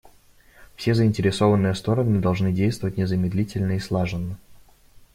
Все заинтересованные стороны должны действовать незамедлительно и слаженно.